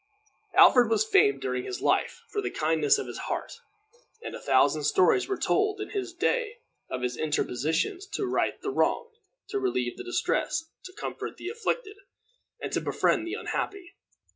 Alfred was famed during all his life for the kindness of his heart, and a thousand stories were told in his day of his interpositions to right the wronged, to relieve the distressed, to comfort the afflicted, and to befriend the unhappy.